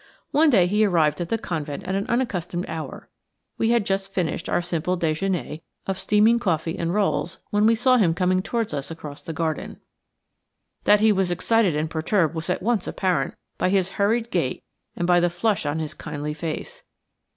One day he arrived at the convent at an unaccustomed hour; we had just finished our simple déjeuner of steaming coffee and rolls when we saw him coming towards us across the garden. That he was excited and perturbed was at once apparent by his hurried gait and by the flush on his kindly face.